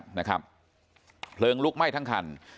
รถแท็กซี่เก่าไม่ได้วิ่งแท็กซี่แล้วนะครับเพลิงลุกไหม้ทั้งคัน